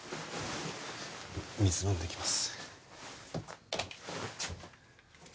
水飲んできます